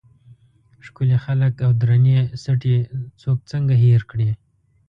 ښکلي خلک او درنې سټې څوک څنګه هېر کړي.